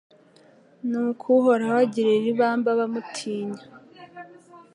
ni ko Uhoraho agirira ibambe abamutinya